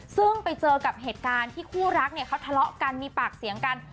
ซึ่งไปเจอกับเหตุการณ์ที่คู่รักเนี่ยเขาทะเลาะกันมีปากเสียงกัน